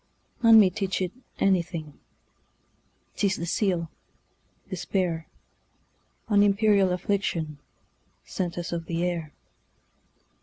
None may teach it anything,'T is the seal, despair,—An imperial afflictionSent us of the air.